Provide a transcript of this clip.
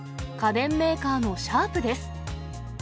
家電メーカーのシャープです。